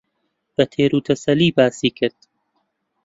بە تێروتەسەلی باسی کرد